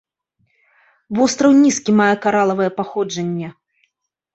Востраў нізкі, мае каралавае паходжанне.